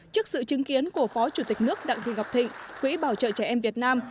trước sự chứng kiến của phó chủ tịch nước đặng thị ngọc thịnh quỹ bảo trợ trẻ em việt nam